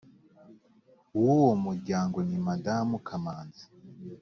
w uwo muryango ni madamu kamanzi